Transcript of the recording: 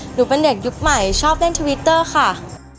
หนูเป็นเด็กยุคใหม่ชอบเล่นทวิตเตอร์ค่ะ